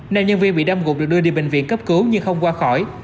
nên nhân viên bị đâm gục được đưa đi bệnh viện cấp cứu nhưng không qua khỏi